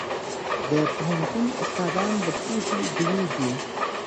د پوهنتون استادان د پوهې ډیوې دي.